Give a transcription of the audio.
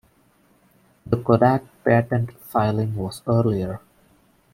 The Kodak patent filing was earlier.